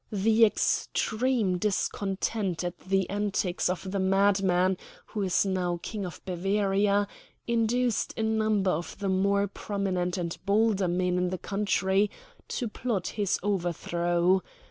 The extreme discontent at the antics of the madman who is now King of Bavaria induced a number of the more prominent and bolder men in the country to plot his overthrow.